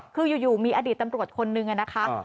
คืออยู่มีอดีตตำรวจคนนึงนะคะ